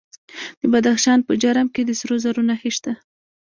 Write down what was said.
د بدخشان په جرم کې د سرو زرو نښې شته.